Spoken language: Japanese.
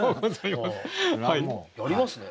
やりますね。